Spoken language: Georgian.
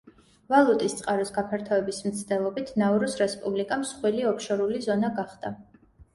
ვალუტის წყაროს გაფართოების მცდელობით, ნაურუს რესპუბლიკა მსხვილი ოფშორული ზონა გახდა.